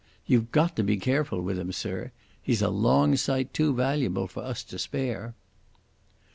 You've got to be careful with him, sir. He's a long sight too valuable for us to spare."